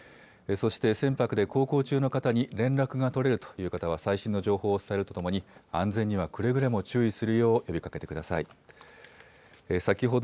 そして船舶で航行中の方に連絡が取れるという方は最新の情報を伝えるとともに安全にはくれぐれも注意するよう呼びかけてください。